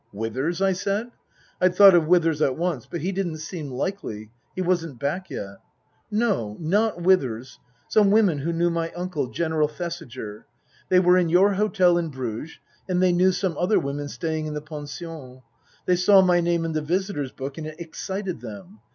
" Withers ?" I said. I'd thought of Withers at once. But he didn't seem likely. He wasn't back yet. " No. Not Withers. Some women who knew my uncle, General Thesiger. They were in your hotel in Bruges, and they knew some other women staying in the pension. They saw my name in the visitors' book and it excited them.